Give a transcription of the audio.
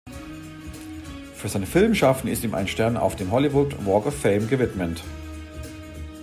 Für sein Filmschaffen ist ihm ein Stern auf dem Hollywood Walk of Fame gewidmet.